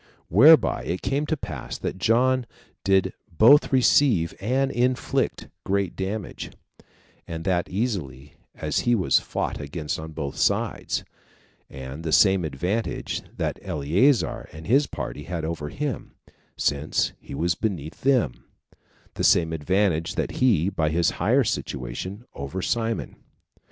Whereby it came to pass that John did both receive and inflict great damage, and that easily, as he was fought against on both sides; and the same advantage that Eleazar and his party had over him, since he was beneath them, the same advantage had he, by his higher situation, over Simon.